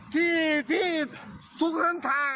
พี่ทุกคนทาง